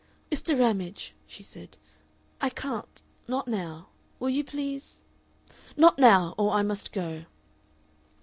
"Mr. Ramage," she said, "I can't Not now. Will you please Not now, or I must go."